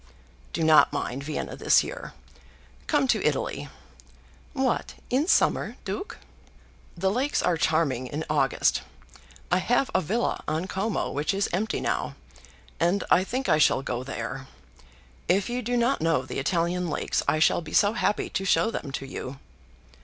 "Do not mind Vienna this year. Come to Italy." "What; in summer, Duke?" "The lakes are charming in August. I have a villa on Como which is empty now, and I think I shall go there. If you do not know the Italian lakes, I shall be so happy to show them to you."